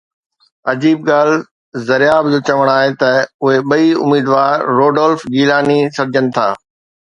عجيب ڳالهه زرياب جو چوڻ آهي ته اهي ٻئي اميدوار روڊولف گيلاني سڏجن ٿا